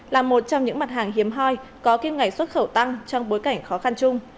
là một trong những mặt hàng hiếm hoi có kim ngạch xuất khẩu tăng trong bối cảnh khó khăn chung